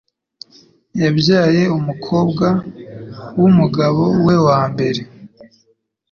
Yabyaye umukobwa wumugabo we wa mbere.